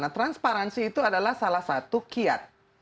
nah transparansi itu adalah salah satu kiat